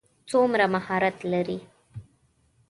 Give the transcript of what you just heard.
څومره مهارت لري.